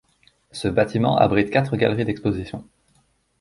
Ce bâtiment abrite quatre galeries d'exposition.